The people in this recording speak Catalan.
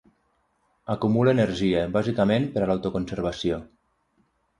Acumula energia, bàsicament per a l'autoconservació.